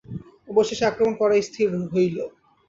অবশেষে আক্রমণ করাই স্থির হইল।